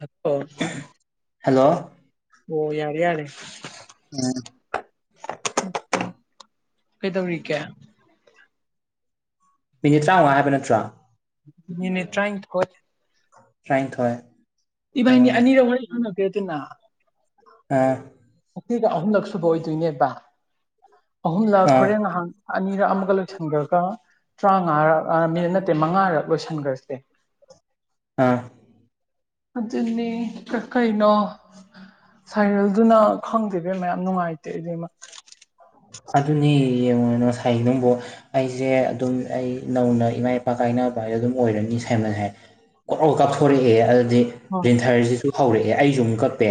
ꯑꯣ ꯍꯜꯂꯣ ꯑꯣ ꯌꯥꯔ ꯌꯥꯔꯦ ꯎꯝ ꯀꯩꯗꯧꯔꯤꯒꯦ ꯃꯤꯅꯤꯠ ꯇꯔꯥꯃꯉꯥ ꯍꯥꯏꯕ ꯅꯠꯇ꯭ꯔꯥ ꯃꯤꯅꯦ ꯇ꯭ꯔꯥꯥꯏꯊꯣꯠ ꯐ꯭ꯔꯥꯏꯊꯋ ꯏꯚꯥꯏꯅꯤ ꯑꯅꯤꯔꯛ ꯋꯥꯔꯤ ꯈꯪꯅꯒꯦ ꯑꯗꯨꯅ ꯑꯥ ꯉꯁꯤꯒ ꯑꯍꯨꯝꯂꯛ ꯁꯨꯕ ꯑꯣꯏꯗꯣꯏꯅꯦꯕ ꯑꯍꯨꯝꯂꯛ ꯑꯥ ꯍꯣꯔꯦꯟ ꯉꯍꯥꯛ ꯑꯅꯤꯔꯛ ꯑꯃꯒ ꯂꯣꯏꯁꯜꯂꯒ ꯇꯔꯥꯡꯉꯔꯛ ꯑꯥ ꯃꯤꯅ ꯅꯠꯇꯦ ꯃꯉꯥꯔꯛ ꯂꯣꯏꯁꯟꯈ꯭ꯔꯁꯦ ꯑꯥ ꯑꯗꯨꯅꯤ ꯀꯥ ꯀꯩꯅꯣ ꯁꯥꯏꯔꯦꯜꯗꯨꯅ ꯈꯪꯗꯦꯕ ꯃꯌꯥꯝ ꯅꯨꯡꯉꯥꯏꯇꯦ ꯑꯩꯗꯤ ꯃꯦ ꯑꯗꯨꯅꯦ ꯌꯦꯡꯉꯣꯅꯨ ꯉꯁꯥꯏ ꯅꯪꯕꯨ ꯑꯩꯁꯦ ꯑꯗꯨꯝ ꯑꯩ ꯅꯧꯅ ꯏꯃꯥ ꯏꯄꯥ ꯀꯥꯏꯅ ꯑꯗꯨꯝ ꯑꯣꯏꯔꯅꯤ ꯁꯥꯃꯟ ꯍꯥꯏ ꯀꯣꯛꯂꯥꯎ ꯀꯥꯞꯊꯣꯔꯛꯑꯦ ꯑꯗꯨ ꯍꯥꯏꯗꯤ ꯄ꯭ꯔꯤꯟꯊꯔꯁꯤꯁꯨ ꯍꯧꯔꯛꯑꯦ ꯑꯩꯁꯨꯨꯃꯨꯛ ꯀꯛꯄꯦ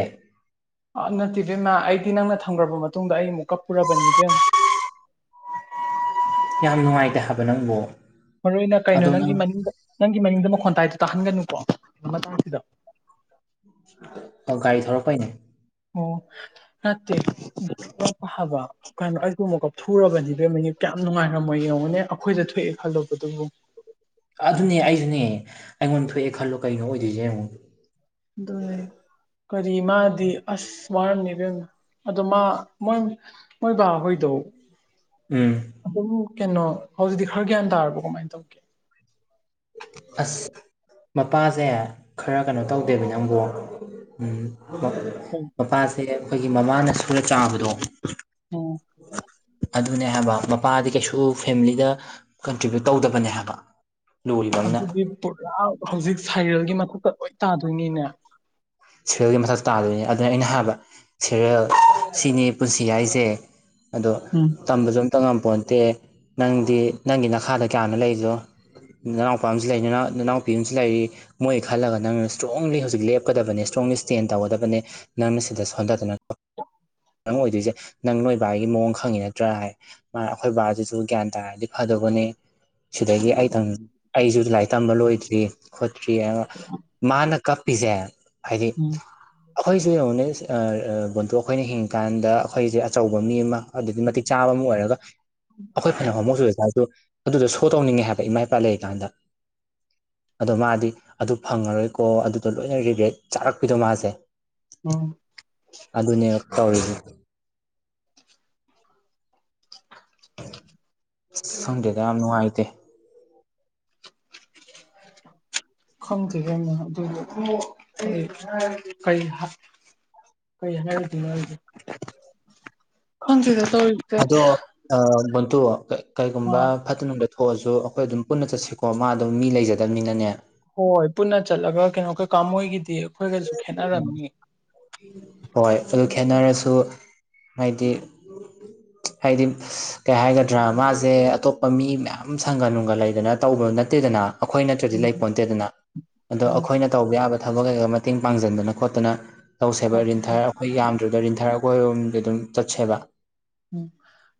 ꯑ ꯅꯠꯇꯦꯕꯦꯝꯃ ꯑꯩꯗꯤ ꯅꯪꯅ ꯊꯝꯈ꯭ꯔꯕ ꯃꯇꯨꯡꯗ ꯑꯩ ꯑꯃꯨꯛ ꯀꯞꯄꯨꯔꯕꯅꯤ ꯏꯕꯦꯝ [inaudible] ꯌꯥꯝ ꯅꯨꯡꯉꯥꯏꯇꯦ ꯍꯥꯏꯕ ꯅꯪꯕꯨ ꯃꯔꯨ ꯑꯣꯏꯅ ꯀꯩꯅꯣ ꯑꯗꯣ ꯅꯪꯒꯤ ꯅꯪ ꯃꯅꯤꯡ ꯃꯅꯤꯡꯗ ꯈꯣꯟꯇꯥꯏꯗꯨ ꯇꯥꯍꯟꯒꯅꯨꯀꯣ ꯑꯃ ꯑꯣ ꯒꯥꯔꯤ ꯊꯔꯛꯄꯥꯏꯅꯦ ꯑꯣ ꯅꯠꯇꯦ ꯐꯕ ꯀꯩꯅꯣ ꯑꯩꯁꯨ ꯑꯃꯨꯛ ꯀꯞꯊꯨꯔꯕꯅꯤ ꯏꯕꯦꯝꯃ ꯌꯥꯝ ꯅꯨꯡꯉꯥꯏꯔꯝꯃꯣꯏ ꯌꯦꯡꯉꯨꯅꯦ ꯑꯩꯈꯣꯏꯗ ꯊꯣꯛꯑꯦ ꯈꯜꯂꯨꯕꯗꯨꯕꯨ ꯑꯗꯨꯅꯦ ꯑꯩꯁꯨꯅꯦ ꯑꯩꯉꯣꯟꯗ ꯊꯣꯛꯑꯦ ꯈꯜꯂꯣ ꯀꯩꯅꯣ ꯑꯣꯏꯗꯣꯏꯁꯦ ꯌꯦꯡꯉꯣ ꯑꯗꯨ ꯀꯔꯤ ꯃꯥꯗꯤ ꯑꯁ ꯋꯥꯔꯝꯅꯤ ꯏꯕꯦꯝꯃꯥ ꯑꯗꯣ ꯃꯥ ꯃꯣꯏ ꯃꯣꯏ ꯕꯥꯍꯣꯏꯗꯣ ꯎꯝ ꯑꯗꯨꯝ ꯀꯩꯅꯣ ꯍꯧꯖꯤꯛꯇꯤ ꯈꯔ ꯒ꯭ꯌꯥꯟ ꯇꯥꯔꯕꯣ ꯀꯃꯥꯏꯅ ꯇꯧꯒꯦ ꯑꯁ ꯃꯄꯥꯁꯦ ꯈꯔ ꯀꯩꯅꯣ ꯇꯧꯗꯦꯕ ꯅꯪꯕꯨ ꯎꯝ ꯃꯄꯥꯁꯦ ꯑꯩꯈꯣꯏꯒꯤ ꯃꯃꯥꯅ ꯁꯨꯔ ꯆꯥꯕꯗꯣ ꯑꯣ ꯑꯗꯨꯅꯦ ꯍꯥꯏꯕ ꯃꯄꯥꯗꯤ ꯀꯩꯁꯨ ꯐꯦꯃꯤꯂꯤꯗ ꯀꯟꯇ꯭ꯔꯤꯕ꯭ꯌꯨꯠ ꯇꯧꯗꯕꯅꯦ ꯍꯥꯏꯕ ꯂꯨꯔꯤꯕ ꯑꯃꯅ ꯑꯗꯨꯗꯤ ꯄꯨꯔꯥ ꯍꯧꯖꯤꯛ ꯁꯥꯏꯔꯦꯜꯒꯤ ꯃꯊꯛꯇ ꯂꯣꯏ ꯇꯥꯗꯣꯏꯅꯤꯅꯦ ꯁꯔꯦꯜꯒꯤ ꯃꯊꯛꯇ ꯇꯥꯗꯣꯏꯅꯤ ꯑꯗꯨꯅ ꯑꯩꯅ ꯍꯥꯏꯕ ꯁꯦꯔꯌꯦꯜ ꯁꯤꯅꯤ ꯄꯨꯟꯁꯤ ꯍꯥꯏꯁꯦ ꯑꯗꯣ ꯎꯝ ꯇꯝꯕꯁꯨ ꯑꯃꯇ ꯉꯝꯗ ꯄꯣꯟꯇꯦ ꯅꯪꯗꯤ ꯅꯪꯒꯤ ꯅꯈꯥꯗ ꯀꯌꯥꯅꯣ ꯂꯩꯗꯣ ꯅꯅꯥꯎꯄꯥ ꯑꯃꯁꯨ ꯂꯩꯔꯤꯎ ꯅꯅꯥꯎꯄꯤ ꯑꯃꯁꯨ ꯂꯩꯔꯤ ꯃꯣꯏ ꯈꯜꯂꯒ ꯅꯪꯅ ꯏꯁꯇ꯭ꯔꯣꯡꯂꯤ ꯍꯧꯖꯤꯛ ꯂꯦꯞꯀꯗꯕꯅꯦ ꯁꫭꯝꯒꯤ ꯏꯁ꯭ꯇꯦꯟ ꯇꯧꯒꯗꯕꯅꯦ ꯅꯪꯅ ꯁꯤꯗ ꯁꯣꯟꯊꯗꯅ ꯅꯪ ꯑꯣꯏꯗꯣꯏꯁꯦ ꯅꯪ ꯅꯣꯏꯕꯥꯒꯤ ꯃꯑꯣꯡ ꯈꯪꯉꯤ ꯅꯠꯇ꯭ꯔꯥ ꯍꯥꯏ ꯃꯥ ꯑꯩꯈꯣꯏ ꯕꯥꯗꯨꯁꯨ ꯒ꯭ꯌꯥꯟ ꯇꯥꯔꯗꯤ ꯐꯗꯧꯕꯅꯦ ꯁꯤꯗꯒꯤ ꯑꯩ ꯑꯩꯁꯨ ꯂꯥꯏꯔꯤꯛ ꯇꯝꯕ ꯂꯣꯏꯗ꯭ꯔꯤ ꯈꯣꯠꯇ꯭ꯔꯤ ꯍꯥꯏ ꯃꯥꯅ ꯀꯞꯄꯤꯁꯦ ꯍꯥꯏꯗꯤ ꯎꯝ ꯑꯩꯈꯣꯏꯁꯨ ꯌꯦꯡꯉꯣꯅꯦ ꯕꯟꯇꯨ ꯑꯩꯈꯣꯏꯅ ꯍꯤꯡꯉꯀꯥꯟꯗ ꯑꯩꯈꯣꯏꯁꯦ ꯑꯆꯧꯕ ꯃꯤ ꯑꯃ ꯑꯗꯨꯗꯤ ꯃꯇꯤꯛ ꯆꯥꯕ ꯍꯣꯃꯣ ꯑꯣꯏꯔꯒ ꯑꯩꯈꯣꯏ ꯐꯅ ꯍꯣꯃꯣ ꯆꯨꯖꯊꯥꯁꯨ ꯑꯗꯨ ꯑꯗꯨꯗꯣ ꯁꯣ ꯇꯧꯅꯤꯡꯉꯦ ꯍꯥꯏꯕ ꯏꯃꯥ ꯏꯄꯥ ꯂꯩꯔꯤꯀꯥꯟꯗ ꯑꯗꯣ ꯃꯥꯗꯤ ꯑꯗꯨ ꯐꯪꯉꯔꯣꯏꯀꯣ ꯑꯗꯨꯗꯣ ꯂꯣꯏꯅ ꯔꯤꯒꯦꯠ ꯆꯥꯔꯛꯄꯤꯗꯣ ꯃꯥꯁꯦ ꯎꯝ ꯑꯧ ꯈꯪꯗꯦꯗ ꯌꯥꯝ ꯅꯨꯡꯉꯥꯏꯇꯦ ꯈꯪꯗꯦ ꯏꯕꯦꯝꯃ ꯑꯗꯨꯕꯨ ꯑꯩ ꯀꯩ ꯍꯥꯏ ꯀꯩ ꯍꯥꯏꯔꯨꯗꯣꯏꯅꯣ ꯍꯥꯏꯗꯤ ꯈꯪꯗꯦꯗ ꯇꯧꯔꯤꯁꯦ ꯑꯗꯣ ꯑ ꯕꯣꯟꯗꯨ ꯀ ꯀꯩꯒꯨꯝꯕ ꯑꯥ ꯐꯠꯇꯅ ꯅꯨꯡꯗ ꯊꯣꯛꯑꯁꯨ ꯑꯩꯈꯣꯏ ꯑꯗꯨꯝ ꯄꯨꯟꯅ ꯆꯠꯁꯤꯀꯣ ꯃꯥ ꯑꯗꯨꯝ ꯃꯤ ꯂꯩꯖꯗꯕꯅꯤꯅꯅꯦ ꯍꯣꯏ ꯄꯨꯟꯅ ꯆꯠꯂꯒ ꯀꯩꯅꯣ ꯀꯩꯀꯥ ꯃꯣꯏꯒꯤꯗꯤ ꯑꯩꯈꯣꯏꯒꯁꯨ ꯈꯦꯠꯅꯔꯝꯅꯤ ꯍꯣꯏ ꯑꯗꯨ ꯈꯦꯠꯅ꯭ꯔꯁꯨ ꯍꯥꯏꯗꯤ [inaudible] ꯍꯥꯏꯗꯤ ꯀꯩ ꯍꯥꯏꯒꯗ꯭ꯔꯥ ꯃꯥꯁꯦ ꯑꯇꯣꯞꯄ ꯃꯤ ꯃꯌꯥꯝ ꯁꯪꯒ ꯅꯨꯡꯒ ꯂꯩꯗꯅ ꯇꯧꯕ ꯅꯠꯇꯦꯗꯅ ꯑꯩꯈꯣꯏ ꯅꯠꯇ꯭ꯔꯗꯤ ꯂꯩ ꯎꯝ ꯄꯣꯟꯇꯦꯗꯅ ꯑꯗꯣ ꯎꯝ ꯑꯩꯈꯣꯏꯅ ꯇꯧꯕ ꯌꯥꯕ ꯊꯕꯛ ꯀꯩꯀꯥ ꯃꯇꯦꯡ ꯄꯥꯡꯁꯤꯟꯗꯅ ꯈꯣꯠꯇꯅ ꯇꯧꯁꯦꯕ ꯔꯤꯟ ꯊꯥꯔ ꯑꯩꯈꯣꯏ ꯌꯥꯝꯗ꯭ꯔꯗ ꯔꯤꯟ ꯊꯥꯔꯛ ꯑꯣ ꯑꯗꯨꯝ ꯆꯠꯁꯦꯕ ꯎꯝ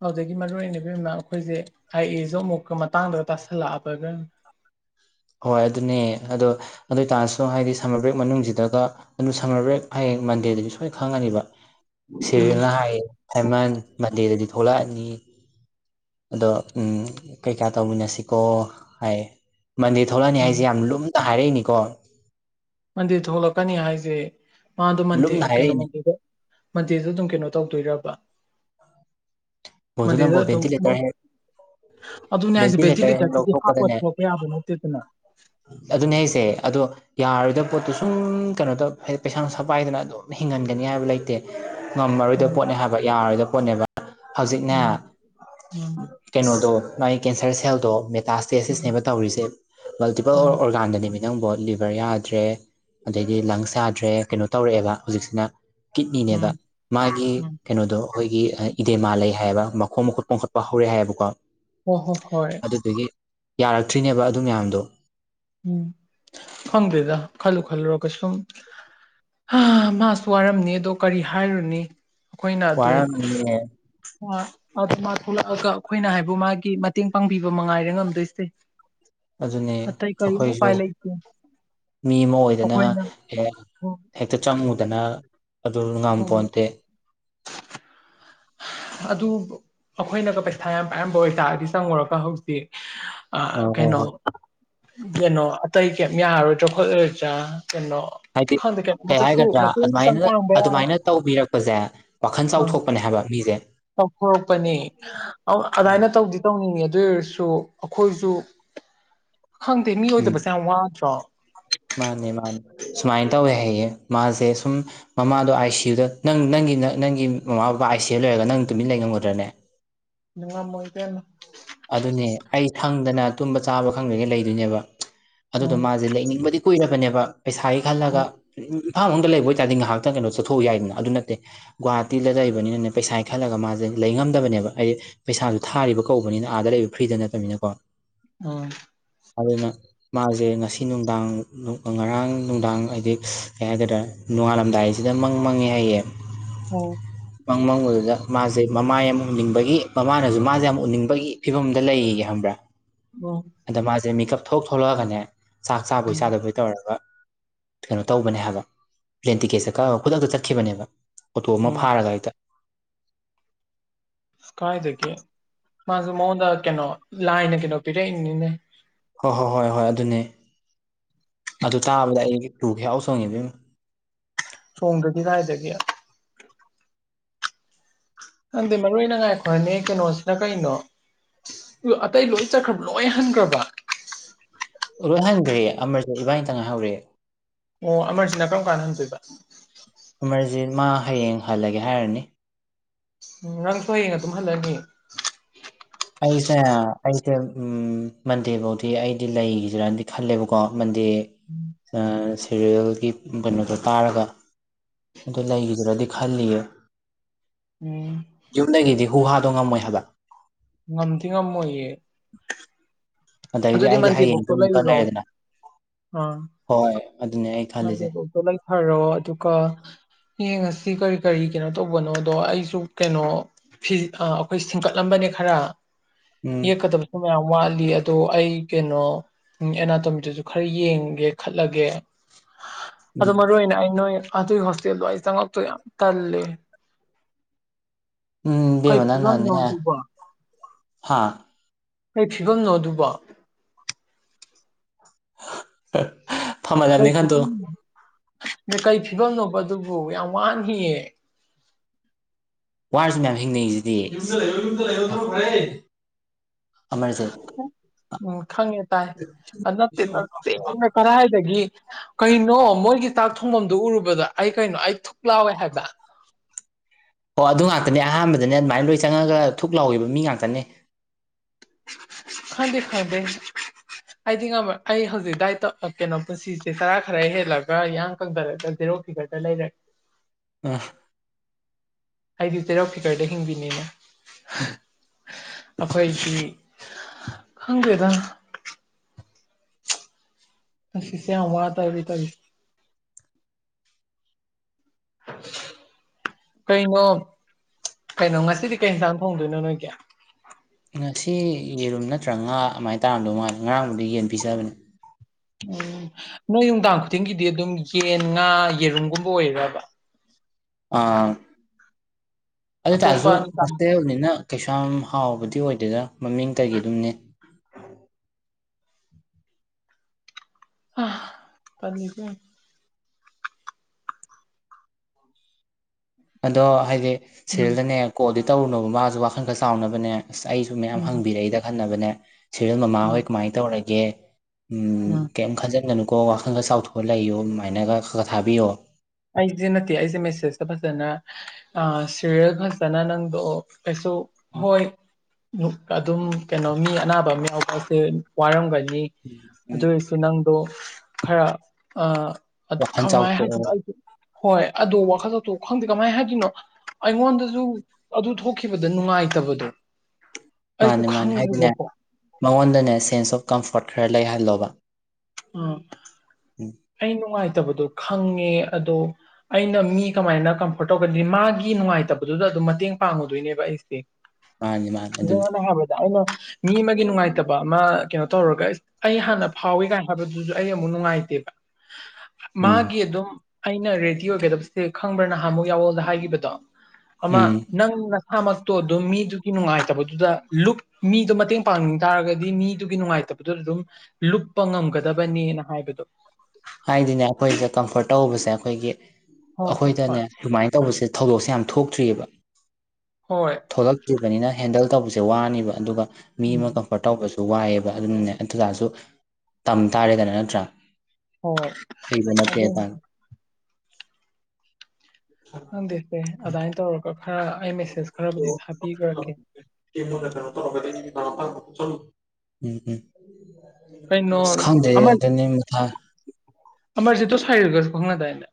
ꯑꯗꯨꯗꯒꯤ ꯃꯔꯨ ꯑꯣꯏꯅ ꯃꯥ ꯑꯩꯈꯣꯏꯁꯦ ꯑꯥꯏ ꯑꯦꯁꯨ ꯑꯃꯨꯛꯀ ꯃꯇꯥꯡꯗꯒ ꯇꯥꯁꯜꯂꯛꯑꯕ [unintelligible] ꯍꯣꯏ ꯑꯗꯨꯅꯦ ꯑꯗꯣ ꯑꯗꯨ ꯑꯣꯏꯇꯥꯔꯁꯨ ꯍꯥꯏꯗꯤ ꯁꯝꯃꯔ ꯕ꯭ꯔꯦꯛ ꯃꯅꯨꯡꯁꯤꯗꯒ ꯑꯗꯨ ꯁꯝꯃꯔ ꯕ꯭ꯔꯦꯛ ꯍꯥꯏꯌꯦꯡ ꯃꯟꯗꯦꯗꯗꯤ ꯁꯣꯏꯅ ꯈꯪꯉꯅꯤꯕ ꯁꯦꯔꯤꯜꯅ ꯍꯥꯏ ꯁꯥꯏꯃꯟ ꯃꯗꯦꯗꯗꯤ ꯊꯣꯛꯂꯛꯑꯅꯤ ꯑꯗꯣ ꯎ ꯀꯩꯀꯥ ꯇꯧꯃꯤꯟꯅꯁꯤꯀꯣ ꯍꯥꯏ ꯃꯟꯗꯦ ꯊꯣꯛꯂꯛꯑꯅꯤ ꯎꯝ ꯍꯥꯏꯁꯦ ꯌꯥꯝ ꯂꯨꯝꯅ ꯍꯥꯏꯔꯛꯏꯅꯤꯀꯣ ꯃꯟꯗꯦꯗ ꯊꯣꯛꯂꯛꯀꯅꯤ ꯍꯥꯏꯁꯦ ꯃꯥꯗꯣ ꯃꯟꯗꯦ ꯂꯨꯝꯅ ꯀꯩꯅꯣ ꯍꯥꯏꯔꯛꯏꯅꯦ ꯃꯟꯗꯦꯗ ꯃꯟꯗꯦꯗꯨ ꯑꯗꯨꯝ ꯀꯩꯅꯣ ꯇꯧꯗꯣꯏꯔꯕ ꯃꯗꯤꯗ ꯃꯗꯨꯅꯕꯨ ꯚꯦꯟꯇꯤꯂꯦꯇꯔ ꯍꯦꯛ ꯑꯗꯨꯅꯦ ꯍꯥꯏꯁꯦ ꯚꯦꯟꯇꯤꯂꯦꯇꯔ ꯍꯦꯛ ꯚꯦꯖꯤꯂꯤꯇꯔꯁꯤꯗꯤ ꯍꯥꯞꯄ ꯂꯧꯊꯣꯛꯄꯗꯅꯦ ꯊꯣꯛꯂꯛꯄ ꯌꯥꯕ ꯅꯠꯇꯦꯗꯅ ꯑꯗꯨꯅꯦ ꯑꯩꯁꯦ ꯑꯗꯣ ꯌꯥꯔꯣꯏꯗꯕ ꯄꯣꯠꯇꯨ ꯁꯨꯝ ꯀꯩꯅꯣꯗ ꯍꯥꯏꯗꯤ ꯄꯩꯁꯥ ꯅꯨꯡꯁꯥ ꯄꯥꯏꯗꯅ ꯑꯗꯨꯝ ꯍꯤꯡꯍꯟꯒꯅꯤ ꯍꯥꯏꯕ ꯂꯩꯇꯦ ꯉꯝꯃꯔꯣꯏꯗꯕ ꯎꯝ ꯄꯣꯠꯅꯦ ꯍꯥꯏꯕ ꯌꯥꯔꯣꯏꯗꯕ ꯄꯣꯠꯅꯦꯕ ꯍꯧꯖꯤꯛꯅꯦ ꯎꯝ ꯎꯝ ꯀꯩꯅꯣꯗꯣ ꯃꯥꯒꯤ ꯀꯦꯟꯁꯔ ꯁꯦꯜꯗꯣ ꯂꯥꯁ ꯎꯝ ꯇꯦꯁꯇꯁꯅꯦꯕ ꯇꯧꯔꯤꯁꯦ ꯃꯜꯇꯤꯄꯜ ꯑꯣꯔ ꯎꯝ ꯑꯣꯔꯒꯥꯟꯗꯅꯦꯃꯤ ꯅꯪꯕꯣ ꯂꯤꯚꯔ ꯌꯥꯗ꯭ꯔꯦ ꯑꯗꯩꯗꯤ ꯂꯪ ꯁꯥꯗ꯭ꯔꯦ ꯀꯩꯅꯣ ꯇꯧꯔꯛꯑꯦꯕ ꯍꯧꯖꯤꯛꯁꯤꯅ ꯀꯤꯠꯅꯤꯅꯦꯕ ꯎꯝ ꯃꯥꯒꯤ ꯎꯝ ꯀꯩꯅꯣꯗꯣ ꯑꯩꯈꯣꯏꯒꯤ ꯏꯗꯦꯃꯥ ꯂꯩ ꯍꯥꯏꯕ ꯃꯈꯣꯡ ꯃꯈꯨꯠꯄꯈꯠꯄ ꯍꯧꯔꯦ ꯍꯥꯏꯕꯀꯣ ꯑꯣ ꯍꯣ ꯍꯣꯏ ꯌꯥꯔꯛꯇ꯭ꯔꯤꯅꯦꯕ ꯑꯗꯨ ꯃꯌꯥꯝꯗꯣ ꯎꯝ ꯐꯪꯗꯦꯗ ꯈꯜꯂꯨ ꯈꯜꯂꯨꯔꯒ ꯁꯨꯝ ꯃꯥꯁꯨ ꯋꯥꯔꯝꯅꯤ ꯑꯗꯣ ꯀꯔꯤ ꯍꯥꯏꯔꯨꯅꯤ ꯋꯥꯔꯦ ꯑ ꯑꯗꯨ ꯃꯥ ꯊꯣꯛꯂꯛꯑꯒ ꯑꯩꯈꯣꯏꯅ ꯍꯥꯏꯕꯨ ꯃꯥꯒꯤ ꯃꯇꯦꯡ ꯄꯥꯡꯕꯤꯕ ꯃꯉꯥꯏꯔ ꯉꯝꯗꯣꯏꯁꯦ ꯑꯗꯨꯅꯦ ꯑꯇꯩ ꯀꯔꯤꯃ ꯑꯩꯈꯣꯏꯁꯨ ꯄꯥꯏ ꯂꯩꯁꯤ ꯃꯤ ꯑꯃ ꯑꯣꯏꯗꯅ ꯍꯣꯏ ꯍꯦꯛꯇ ꯆꯪꯉꯨꯗꯅ ꯑꯗꯨ ꯉꯝ ꯍꯣꯏ ꯄꯣꯟꯇꯦ ꯑꯗꯨ ꯑꯩꯈꯣꯏꯅꯒ ꯄꯩꯁꯥ ꯌꯥꯝ ꯄꯥꯏꯔꯝꯕ ꯑꯣꯏꯇꯥꯔꯗꯤ ꯆꯪꯉꯨꯔꯒ ꯍꯧꯖꯤꯛ ꯑ ꯍꯣꯏ ꯍꯣꯏ ꯀꯩꯅꯣ ꯍꯣꯏ ꯀꯩꯅꯣ ꯑꯇꯩ ꯀꯩ ꯌꯥꯔꯔꯣꯏꯗ꯭ꯔꯣ ꯈꯣꯠꯂꯣꯏꯗ꯭ꯔꯥ ꯀꯩꯅꯣ ꯍꯥꯏꯗꯤ ꯈꯪꯗꯦ ꯀꯩ ꯀꯩꯅꯣꯃꯇꯁꯨ ꯍꯥꯏꯒꯗ꯭ꯔꯥ ꯃꯇꯦꯡ ꯈꯤꯇꯪ ꯑꯗꯨꯃꯥꯏꯅ ꯄꯥꯡꯕ ꯌꯥꯏ ꯑꯗꯨꯃꯥꯏꯅ ꯇꯧꯕꯤꯔꯛꯄꯁꯦ ꯋꯥꯈꯜ ꯆꯥꯎꯊꯣꯛꯄꯅꯦ ꯍꯥꯏꯕ ꯃꯤꯁꯦ ꯇꯧꯊꯣꯔꯛꯄꯅꯤ ꯑꯗꯨꯃꯥꯏꯅ ꯇꯧꯗꯤ ꯇꯧꯅꯤꯡꯉ ꯑꯗꯨ ꯑꯣꯏꯔꯁꯨ ꯁꯨ ꯑꯩꯈꯣꯏꯁꯨ ꯈꯪꯗꯦ ꯃꯤ ꯎꯝ ꯑꯣꯏꯗꯕꯁꯦ ꯌꯥꯝ ꯋꯥꯗ꯭ꯔꯣ ꯃꯥꯅꯦ ꯃꯥꯅꯦ ꯁꯨꯃꯥꯏꯅ ꯇꯧꯋꯦ ꯍꯥꯏꯌꯦꯌꯦꯦ ꯃꯥꯁꯦ ꯁꯨꯝ ꯃꯃꯥꯗꯣ ꯑꯥꯏ ꯁꯤꯌꯨꯗ ꯅꯪ ꯅꯪ ꯅꯪ ꯅ ꯅꯪꯒꯤ ꯃꯃꯥ ꯕꯕꯥ ꯑꯥꯏ ꯁꯤ ꯑꯦ ꯂꯣꯏꯔꯒ ꯅꯪ ꯇꯨꯃꯤꯟꯅ ꯂꯩꯉꯝꯒꯗ꯭ꯔꯅꯦ [unintelligible] ꯑꯗꯨꯅꯦ ꯑꯩ ꯁꯪꯗꯅ ꯇꯨꯝꯕ ꯆꯥꯕ ꯈꯪꯗꯉꯩ ꯂꯩꯗꯣꯏꯅꯦꯕ ꯑꯗꯨꯗꯣ ꯎꯝ ꯃꯥꯁꯦ ꯂꯩꯅꯤꯡꯕꯗꯤ ꯀꯨꯏꯔꯕꯅꯦꯕ ꯄꯩꯁꯥꯒꯤ ꯈꯜꯂꯒ ꯎꯝ ꯎ ꯐꯝꯥꯝ ꯑꯃꯝꯗ ꯂꯩꯕ ꯑꯣꯏꯕꯥꯔꯗꯤ ꯉꯥꯏꯍꯥꯛꯇ ꯀꯩꯅꯣ ꯆꯠꯊꯣꯛꯎ ꯌꯥꯏꯗꯅ ꯑꯗꯨ ꯅꯠꯇꯦ ꯒꯨꯍꯥꯇꯤꯗ ꯂꯩꯕꯅꯤꯅꯅꯦ ꯄꯩꯁꯥ ꯈꯜꯂꯒ ꯃꯥꯁꯦ ꯂꯩ ꯉꯝꯗꯕꯅꯦꯕ ꯍꯥꯏꯗꯤ ꯄꯩꯁꯥꯁꯨ ꯊꯥꯔꯤꯕ ꯀꯧꯕꯅꯤꯅ ꯑꯥꯗ ꯂꯩꯕ ꯐ꯭ꯔꯤꯗ ꯅꯠꯇꯕꯅꯤꯅꯀꯣ [unintelligible] ꯑꯗꯨꯅ ꯃꯥꯁꯦ ꯉꯁꯤ ꯅꯨꯡꯗꯥꯡ ꯉꯔꯥꯡ ꯅꯨꯡꯗꯥꯡ ꯍꯥꯏꯗꯤ ꯀꯩ ꯍꯥꯏꯇꯥꯇꯥꯔꯦ ꯅꯣꯡꯉꯥꯜꯂꯝꯗꯥꯏꯁꯤꯗ ꯃꯪ ꯃꯪꯉꯦ ꯍꯥꯏꯌꯦ ꯃꯪ ꯃꯪ ꯑꯗꯨꯗ ꯃꯥꯁꯦ ꯃꯃꯥ ꯌꯥꯝ ꯎꯅꯤꯡꯕꯒꯤ ꯃꯃꯥꯅꯁꯨ ꯃꯥꯁꯦ ꯌꯥꯝ ꯎꯅꯤꯡ ꯒꯤ ꯐꯤꯕꯝꯗ ꯂꯩꯒꯦ ꯈꯪꯕ꯭ꯔꯥ ꯎꯝ ꯎꯝ ꯑꯗ ꯃꯥꯁꯦ ꯃꯤꯀꯞ ꯊꯣꯛ ꯊꯣꯛꯂꯛꯑꯒꯅꯦ ꯆꯥꯛ ꯆꯥꯕꯣꯏ ꯎꯝ ꯆꯥꯗꯕꯣꯏ ꯇꯧꯔꯒ ꯀꯩꯅꯣ ꯇꯧꯕꯅꯦ ꯍꯥꯏꯕ ꯄ꯭ꯂꯦꯟ ꯇꯤꯛꯀꯦꯠꯁꯦ ꯀꯛꯑꯒ ꯈꯨꯗꯛꯇ ꯆꯠꯈꯤꯕꯅꯦꯕ ꯑꯣꯇꯣ ꯑꯃ ꯎꯝ ꯐꯥꯔꯒ ꯍꯛꯇ ꯀꯥꯏꯗꯒꯤꯦ ꯃꯥꯁꯦ ꯃꯉꯣꯟꯗ ꯀꯩꯅꯣ ꯂꯥꯏꯅ ꯀꯩꯅꯣ ꯄꯤꯔꯛꯏꯅꯤꯅꯦ ꯍꯣꯏ ꯍꯣꯏ ꯍꯣꯏ ꯍꯣꯏ ꯑꯗꯨꯅꯦ ꯑꯗꯨ ꯇꯥꯕꯗ ꯑꯩ ꯇꯨꯈꯤ ꯍꯥꯎ ꯁꯣꯡꯉꯤꯕ ꯁꯣꯡꯝꯗꯗꯤ ꯀ ꯍꯥꯏꯖꯒꯦ ꯈꯪꯗ ꯃꯔꯨ ꯑꯣꯏꯅ ꯉꯥꯏꯈꯔꯅꯤ ꯀꯩꯅꯣꯁꯤꯅ ꯀꯩꯅꯣ ꯑꯗꯨ ꯑꯇꯩ ꯂꯣꯏ ꯆꯠꯈ꯭ꯔꯕ ꯂꯣꯏ ꯍꯟꯈ꯭ꯔꯕ ꯂꯣꯏ ꯍꯟꯈ꯭ꯔꯦ ꯑꯃꯔꯁꯨ ꯏꯕꯥꯅꯤꯇ ꯉꯥꯏꯍꯧꯔꯦ ꯑꯣ ꯑꯃꯔꯁꯤꯅ ꯀꯔꯝ ꯀꯥꯟꯗ ꯍꯟꯗꯣꯏꯕ ꯑꯃꯃꯔꯖꯤꯠ ꯃꯥ ꯍꯌꯦꯡ ꯍꯜꯂꯒꯦ ꯍꯥꯏꯔꯅꯤ ꯅꯪꯁꯨꯣꯏꯌꯦꯡ ꯑꯗꯨꯝ ꯍꯜꯂꯅꯤ ꯑꯩꯩꯁꯦ ꯑꯩꯁꯦ ꯎ ꯃꯟꯗꯦ ꯐꯧꯗꯤ ꯑꯩꯗꯤ ꯂꯩꯈꯤꯗꯔꯅꯗꯤ ꯈꯜꯂꯦꯕꯀꯣ ꯃꯟꯗꯦ ꯑ ꯁꯦꯔꯤꯜꯒꯤ ꯀꯩꯅꯣꯗꯣ ꯇꯥꯔꯒ ꯑꯗꯨ ꯂꯩꯈꯤꯗ꯭ꯔꯗꯤ ꯈꯜꯂꯤꯌꯦ ꯎꯝ ꯨꯍꯥꯗꯉ ꯃꯣꯏ ꯍꯕꯥꯛ ꯉꯟ ꯊꯉꯃꯦ ꯑꯗꯩꯗꯤ ꯑꯗꯨꯗꯤ ꯑꯩꯗꯤ ꯍꯌꯦꯡꯁꯨ ꯃꯥꯟꯇꯦ ꯣꯛꯇ ꯂꯩ ꯑꯃꯨꯛꯀ ꯂꯑꯣ ꯂꯩꯔꯦꯗꯅ ꯑꯥ ꯍꯣꯏ ꯑꯗꯨꯅꯦ ꯑꯩ ꯈꯜꯂꯤꯁꯦ ꯃꯗꯤꯄꯨꯔꯗꯣ ꯂꯩꯊꯔꯣ ꯑꯗꯨꯒ ꯌꯦꯡꯉꯁꯤ ꯀꯔꯤ ꯀꯔꯤ ꯀꯩꯅꯣ ꯇꯧꯕꯅꯣꯗꯣ ꯑꯩꯁꯨ ꯀꯩꯅꯣ ꯐꯤ ꯑ ꯑꯩꯈꯣꯏ ꯁꯤꯡꯀꯠꯂꯝꯕꯅꯦ ꯈꯔ ꯎꯝ ꯌꯦꯛꯀꯗꯕꯁꯨ ꯃꯌꯥꯝ ꯋꯥꯠꯂꯤ ꯑꯗꯣ ꯑꯩ ꯀꯩꯅꯣ ꯑꯦꯅꯥꯇꯣꯃꯤꯇꯁꯨ ꯈꯔ ꯌꯦꯡꯒꯦ ꯈꯠꯂꯒꯦ ꯑꯗꯨ ꯎꯝ ꯃꯔꯨ ꯑꯣꯏꯅ ꯑꯩ ꯅꯣꯏ ꯑꯗꯨꯒꯤ ꯍꯣꯁꯇꯦꯜꯗꯣ ꯑꯩ ꯆꯪꯉꯛꯇꯣ ꯌꯥꯝ ꯇꯜꯂꯦ ꯀꯩ ꯎꯝꯗꯃꯅꯥ ꯐꯤꯕꯝꯅꯣ ꯅꯅꯦ ꯑꯗꯨꯕꯣ ꯍꯥꯥ ꯑꯩ ꯐꯤꯕꯝꯅꯣ ꯑꯗꯨꯕ ꯐꯃꯥꯏꯗꯝꯅꯤ ꯈꯥꯟ ꯇꯣ ꯅ ꯀꯔꯤ ꯐꯤꯕꯝꯅꯣꯕ ꯑꯗꯨꯕꯨ ꯌꯥꯝ ꯋꯥꯡꯈꯤꯌꯦ ꯋꯥꯔꯁꯨ ꯃꯌꯥꯝ ꯍꯤꯡꯅꯩꯁꯤꯗꯤ ꯑꯃꯔꯖꯤꯦꯠ ꯎꯝ ꯈꯪꯉꯦ ꯇꯥꯏ ꯅꯠꯇꯦ ꯆꯁꯦ ꯑꯅ ꯀꯔꯏꯗꯒꯤ ꯀꯩꯅꯣ ꯃꯣꯏꯒꯤ ꯆꯥꯛ ꯊꯣꯡꯐꯝꯗꯨ ꯎꯔꯨꯕꯗ ꯑꯩ ꯀꯩꯅꯣ ꯑꯩ ꯊꯨꯛ ꯂꯥꯎꯋꯦ ꯍꯥꯏꯕ [unintelligible] ꯑꯣ ꯑꯗꯨ ꯉꯥꯛꯇꯅꯦ ꯑꯍꯥꯟꯕꯗꯅꯦ ꯑꯗꯨꯃꯥꯏꯅ ꯂꯣꯏ ꯆꯪꯉꯒ ꯊꯨꯛ ꯂꯥꯎꯈꯤꯕ ꯃꯤ ꯉꯥꯛꯇꯅꯦ ꯈꯥꯟꯗꯦ ꯈꯥꯟꯗꯦ ꯑꯩꯗꯤꯝꯃ ꯑꯩ ꯍꯧꯖꯤꯛ ꯗꯥꯏꯇ ꯀꯩꯅꯣ ꯄꯨꯟꯁꯤꯁꯦ ꯆꯔꯥ ꯈꯔ ꯍꯦꯜꯂꯒ ꯏꯌꯥꯡ ꯀꯪꯊꯔꯒꯔ ꯐꯤ ꯀ ꯇ ꯂꯩ ꯂꯩ ꯑ ꯑꯩꯗꯤ ꯆꯩꯔꯥꯎ ꯐꯤꯀꯔꯗ ꯍꯤꯡꯕꯤꯅꯤꯅ ꯑꯩꯈꯣꯏꯁꯤ ꯈꯪꯗꯦꯗ ꯑ ꯁꯤꯁꯦ ꯑꯃꯔ ꯇꯕꯤ ꯇꯔ [unintelligible] ꯀꯩꯅꯣ ꯀꯩꯅꯣ ꯉꯁꯤꯗꯤ ꯀꯩꯟꯁꯥꯡ ꯊꯣꯡꯗꯣꯏꯅꯣ ꯅꯣꯏꯒꯤ ꯉꯁꯤ ꯌꯦꯔꯨꯝ ꯅꯠꯇ꯭ꯔ ꯉꯥ ꯑꯗꯨꯃꯥꯏꯅ ꯇꯥꯔꯝꯗꯧ ꯃꯥꯜꯂ ꯉꯔꯥꯡꯕꯨꯗꯤ ꯌꯦꯟ ꯄꯤꯖꯕꯅꯦ ꯎꯝ ꯅꯣꯏ ꯅꯨꯡꯗꯥꯡ ꯈꯨꯗꯤꯡꯒꯤꯗꯤ ꯑꯗꯨꯝ ꯌꯦꯟ ꯉꯥ ꯌꯦꯔꯨꯝꯒꯨꯝꯕ ꯑꯣꯏꯔꯕ ꯑꯥ ꯑꯇꯣꯞꯄ ꯑꯗꯨꯇꯥꯥꯔꯁꯨ ꯅꯨꯡꯗꯥꯡ ꯍꯣꯁꯇꯦꯜꯅꯤꯅ ꯀꯩꯁꯨ ꯌꯥꯝ ꯍꯥꯎꯕꯗꯤ ꯑꯣꯏꯗꯦꯗ ꯃꯃꯤꯡ ꯀꯩꯒꯤꯗꯨꯝꯅꯦ ꯑ ꯄꯅꯤꯀꯦ ꯑꯗꯣ ꯍꯥꯏꯗꯤ ꯎꯝ ꯁꯦꯔꯦꯜꯗꯅꯦ ꯀꯣꯜꯗꯤ ꯇꯧꯔꯨꯅꯣꯕ ꯃꯥꯁꯨ ꯋꯥꯈꯜ ꯈꯔ ꯆꯥꯎꯅꯕꯅꯦ ꯑꯁ ꯑꯩꯁꯨ ꯃꯌꯥꯝ ꯎꯝ ꯍꯪꯕꯤꯔꯛꯏꯗ ꯈꯟꯅꯕꯅꯦ ꯁꯦꯔꯤꯜ ꯎꯝ ꯃꯃꯥꯍꯣꯏ ꯀꯃꯥꯏꯅ ꯇꯧꯔꯒꯦ ꯎꯝ ꯀꯩꯝ ꯈꯟꯖꯤꯟꯒꯅꯨꯀꯣ ꯋꯥꯈꯜꯒ ꯆꯥꯎꯊꯣꯛꯑ ꯂꯩꯌꯣ ꯑꯗꯨꯃꯥꯏꯅꯒ ꯈ ꯈꯔ ꯊꯥꯕꯤꯌꯣ ꯑꯩꯁꯦ ꯅꯠꯇꯦ ꯑꯩꯁꯦ ꯃꯦꯁꯦꯁꯇ ꯐꯖꯅ ꯁꯦꯔꯤꯌꯦꯜ ꯐꯖꯅ ꯅꯪꯗꯣ ꯑꯦꯁꯨꯁꯨ ꯍꯣꯏ ꯑꯗꯨꯝ ꯀꯩꯅꯣ ꯃꯤ ꯑꯅꯥꯕ ꯑꯃ ꯌꯥꯎꯕ ꯍꯥꯏꯁꯦ ꯋꯥꯔꯝꯒꯅꯤ ꯎꯝ ꯑꯗꯨ ꯑꯣꯏꯔꯁꯨ ꯅꯪꯗꯣ ꯋꯥꯈꯜ ꯈꯔꯥꯏ ꯆꯥꯎꯊꯣꯛꯑꯣ ꯍꯥꯏꯗꯅ ꯍꯣꯏ ꯑ ꯋꯥꯈꯜꯗꯇ ꯈꯪꯗꯦ ꯀꯃꯥꯏꯅ ꯍꯥꯏꯔꯤꯣꯏꯅꯣ ꯑꯩꯉꯣꯟꯗꯁꯨ ꯑꯗꯨ ꯊꯣꯛꯈꯤꯕꯗ ꯅꯨꯡꯉꯥꯏꯇꯕꯗꯣ ꯑꯩꯁꯨ ꯃꯥꯅꯤ ꯃꯥꯅꯦ ꯍꯥꯏꯗꯤꯅꯦ ꯈꯪꯉꯦꯕꯀꯣ ꯃꯉꯣꯟꯗꯅꯦ ꯁꯦꯟꯁ ꯑꯣꯐ ꯀꯝꯐꯣꯔꯠ ꯈꯔ ꯂꯩꯍꯜꯂꯣꯕ ꯎ ꯎꯝ ꯑꯩ ꯅꯨꯡꯉꯥꯏꯖꯦ ꯗꯣ ꯈꯪꯉꯦ ꯑꯗꯣ ꯑꯩꯅ ꯃꯤ ꯀꯃꯥꯏꯅ ꯀꯝꯐꯣꯔꯠ ꯇꯧꯒꯗ ꯃꯥꯒꯤ ꯅꯨꯡꯉꯥꯏꯇꯕꯗꯨꯗ ꯑꯗꯨꯝ ꯃꯇꯦꯡ ꯄꯥꯡꯉꯨꯗꯣꯏꯅꯦꯕ ꯑꯩꯁꯦ ꯃꯥꯅꯤ ꯃꯥꯅꯤ ꯁꯗꯝ ꯑꯗꯨꯅꯤ ꯑꯣꯏꯅ ꯍꯥꯏꯔꯕꯗ ꯑꯩꯅ ꯃꯤ ꯑꯃꯒꯤ ꯅꯨꯡꯉꯥꯏꯇꯕ ꯑꯃ ꯀꯩꯅꯣ ꯇꯧꯔꯒ ꯑꯩ ꯍꯥꯟꯅ ꯐꯥꯎꯋ ꯀꯥꯏꯅ ꯍꯥꯏꯕꯗꯨꯁꯨ ꯑꯩ ꯑꯃꯨꯛ ꯅꯨꯡꯉꯥꯏꯇꯦꯕ ꯎꯝ ꯃꯥꯒꯤ ꯑꯗꯨꯝ ꯑꯩꯅ ꯔꯦꯗꯤ ꯑꯣꯏꯒꯗꯕꯁꯦ ꯈꯪꯕ꯭ꯔꯥ ꯅꯍꯃꯨ ꯌꯥꯋꯣꯜꯗ ꯍꯥꯏꯈꯤꯕꯗꯣ ꯑꯃ ꯎꯝ ꯅꯪ ꯏꯁꯥꯃꯛꯇꯣ ꯑꯗꯨꯝ ꯃꯤꯗꯨꯒꯤ ꯅꯨꯡꯉꯥꯏꯇꯕꯗꯨꯗ ꯂꯨꯞ ꯃꯤꯗꯣ ꯃꯇꯦꯡ ꯄꯥꯡꯅꯤꯡ ꯇꯥꯔꯒꯗꯤ ꯃꯤꯗꯨꯒꯤ ꯅꯨꯡꯉꯥꯏꯇ ꯇꯕꯗꯨ ꯑꯗꯨꯝ ꯂꯨꯞꯄ ꯉꯝꯒꯗꯕꯅꯦꯅ ꯍꯥꯏꯕꯗꯣ ꯍꯥꯏꯗꯤꯅꯦ ꯑꯩꯈꯣꯏꯗ ꯀꯝꯐꯣꯔꯠ ꯇꯧꯕꯁꯦ ꯑꯩꯈꯣꯏꯒꯤ ꯍꯣꯏ ꯍꯣꯏ ꯍꯣꯏ ꯑꯩꯈꯣꯏꯗꯅꯦ ꯑꯗꯨꯃꯥꯏꯅ ꯇꯧꯕꯁꯦ ꯊꯧꯗꯣꯛꯁꯦ ꯌꯥꯝ ꯊꯣꯛꯇ꯭ꯔꯤꯑꯕ ꯍꯣꯏ ꯍꯧꯈꯤꯕꯅꯤꯅ ꯍꯦꯟꯗꯜ ꯇꯧꯕꯁꯦ ꯋꯥꯅꯦꯕ ꯑꯗꯨꯒ ꯃꯤ ꯎꯝ ꯑꯃ ꯀꯝꯐꯔꯠ ꯇꯧꯕꯁꯨ ꯋꯥꯏꯑꯦꯕ ꯑꯗꯨꯅꯅꯦ ꯑꯗꯨꯇꯥꯁꯨ ꯇꯝ ꯇꯥꯔꯦꯗꯅ ꯅꯠꯇ꯭ꯔꯥ ꯍꯣꯏ ꯍꯩꯕ ꯅꯠꯇꯦ ꯑꯗꯨ ꯇꯥꯔꯦ ꯍꯁꯦ ꯑꯗꯨꯗꯥꯏ ꯇꯧꯔ ꯃ ꯅ ꯀꯣ ꯆ ꯎꯝꯝ ꯀꯩꯅꯣ ꯁ ꯈꯪꯗꯦ ꯑꯗꯨꯅꯤ ꯃꯊꯥ ꯑꯔꯁꯨ ꯇ ꯁꯏꯔꯒꯁ ꯀꯈꯅ ꯇꯥꯏꯅ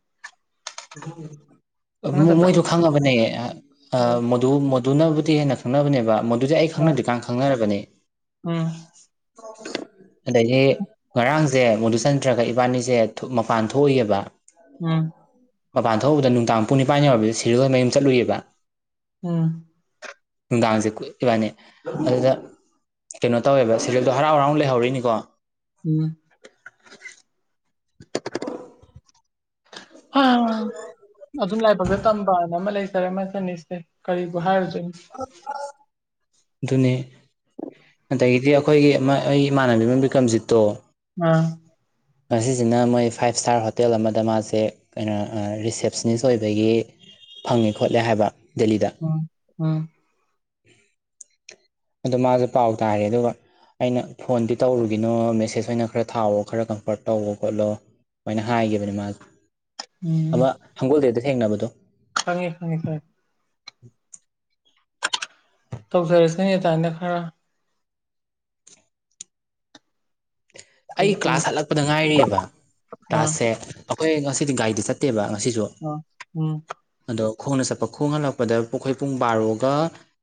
ꯃꯣꯏꯗꯨ ꯈꯪꯉꯕꯅꯦ ꯑꯣ ꯃꯗꯨ ꯃ ꯑꯗꯨꯅꯕꯨꯗꯤ ꯍꯦꯟꯅ ꯈꯪꯅꯕꯅꯦꯕ ꯑꯗꯨꯗꯤ ꯑꯩ ꯑꯥ ꯈꯪꯅꯗ꯭ꯀꯥꯟ ꯈꯪꯅꯔꯕꯅꯤ ꯎꯝ ꯑꯗꯒꯤ ꯉꯔꯥꯡꯁꯦ ꯃꯗꯨꯨꯆꯟꯗ꯭ꯔꯒ ꯏꯕꯥꯅꯤꯁꯦ ꯃꯄꯥꯟ ꯊꯣꯛꯏꯑꯕ ꯎꯝ ꯃꯄꯥꯟ ꯊꯣꯛꯕꯗ ꯅꯨꯡꯗꯥꯡ ꯄꯨꯡ ꯅꯤꯄꯥꯟ ꯌꯧꯔꯕꯗ ꯁꯤ ꯁꯤꯔꯜ ꯃꯌꯨꯝ ꯆꯠꯂꯨꯏꯑꯕ ꯎꯝ ꯅꯨꯡꯗꯥꯡꯁꯦ ꯀꯨꯞꯏꯕꯅꯤ ꯑꯗꯨꯗ ꯀꯩꯅꯣ ꯇꯧꯋꯦꯕ ꯁꯦꯗꯜꯗꯣ ꯍꯔꯥꯎ ꯍꯔꯥꯎꯅ ꯂꯩꯍꯧꯔꯤꯅꯤꯀꯣ ꯎꯝ ꯑꯣ ꯑ ꯑꯗꯨꯝ ꯂꯥꯏꯕꯛꯗ ꯇꯝꯕꯅ ꯑꯃ ꯂꯩꯖꯔꯦ ꯃꯁꯅꯤꯁꯦ ꯀꯔꯤꯕꯨ ꯍꯥꯏꯔꯨꯁꯦ ꯑꯗꯨꯅꯤ ꯑꯗꯒꯤꯗꯤ ꯑꯩꯈꯣꯏꯒꯤ ꯑꯩ ꯏꯃꯥꯟꯅꯕꯤ ꯑꯃ ꯕꯤꯀ꯭ꯔꯝꯖꯤꯠꯇꯣ ꯑꯥ ꯉꯁꯤꯁꯤꯅ ꯃꯣꯏ ꯐꯥꯏꯞ ꯏꯁꯇꯥꯔ ꯍꯣꯇꯦꯜ ꯑꯃꯗ ꯃꯥꯁꯦ ꯀꯩꯅꯣ ꯔꯤꯁꯦꯞꯁꯅꯤꯁ ꯑꯣꯏꯕꯒꯤ ꯐꯪꯉꯦ ꯈꯣꯠꯂꯦ ꯍꯥꯏꯕ ꯗꯦꯜꯂꯤꯗ ꯎꯝ ꯎꯝ ꯑꯗ ꯃꯥꯁꯨꯦ ꯄꯥꯎ ꯇꯥꯔꯦ ꯑꯗꯨꯒ ꯑꯩꯅ ꯐꯣꯟꯗꯤ ꯇꯧꯔꯨꯒꯤꯅꯣ ꯃꯦꯁꯦꯁ ꯑꯣꯏꯅ ꯈꯔ ꯊꯥꯎꯑꯣ ꯈꯔ ꯀꯝꯐꯔꯠ ꯇꯧꯣ ꯈꯣꯠꯂꯣ ꯁꯨꯃꯥꯏꯅ ꯍꯥꯏꯈꯤꯕꯅꯦ ꯃꯥꯁꯦ ꯎꯝ ꯑꯃ ꯍꯪꯒꯣꯜꯗꯦꯗ ꯊꯦꯡꯅꯕꯗꯣ ꯈꯪꯉꯦ ꯈꯪꯉꯦ ꯈꯪꯉꯦ [unintelligible] ꯇꯧ ꯐꯔꯦꯁꯀ ꯇ ꯑꯅ ꯈꯔꯥ ꯑꯩ ꯀꯩꯒꯤ ꯀ꯭ꯂꯥꯁ ꯍꯠꯂꯛꯄꯗ ꯉꯥꯏꯔꯤꯑꯕ ꯑꯥ ꯀ꯭ꯂꯥꯁꯁꯦ ꯑꯩꯈꯣꯏ ꯉꯁꯤꯗꯤ ꯒꯥꯔꯤꯗ ꯆꯠꯇꯦꯕ ꯑꯁꯤꯁꯨ ꯑꯥ ꯎꯝ ꯑꯗꯣ ꯈꯣꯡꯅ ꯆꯠꯄ ꯈꯣꯡ ꯍꯜꯂꯛꯄꯗ ꯄꯨꯈꯣꯏ ꯄꯨꯡ ꯕꯥꯔꯣꯒ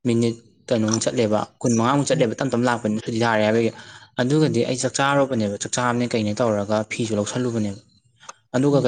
ꯃꯤꯅꯤꯠ ꯀꯩꯅꯣꯛ ꯆꯠꯂꯦꯕ ꯀꯨꯟ ꯃꯉꯥꯃꯨꯛ ꯎꯝ ꯆꯠꯂꯦꯕ ꯇꯞ ꯇꯞ ꯂꯥꯛꯄꯅ ꯁꯨꯗꯤ ꯊꯥꯔꯦ ꯍꯥꯏꯕꯒꯤ ꯎꯝ ꯑꯗꯨꯒꯗꯤ ꯑꯩ ꯆꯥꯛꯆꯥꯔꯣ ꯕ ꯆꯥꯛꯆꯥꯝꯅꯦ ꯀꯩꯅꯅꯦ ꯇꯧꯔꯒ ꯐꯤꯁꯨ ꯂꯧꯁꯜꯂꯨꯕꯅꯦꯕ ꯎꯝ ꯑꯗꯨꯒ